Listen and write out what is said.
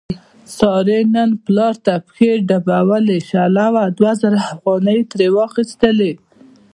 سارې نن پلار ته پښې دربولې، شله وه دوه زره افغانۍ یې ترې واخستلې.